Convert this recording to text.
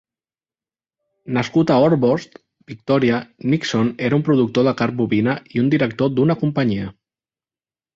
Nascut a Orbost, Victoria, Nixon era un productor de carn bovina i un director d'una companyia.